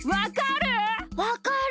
わかる？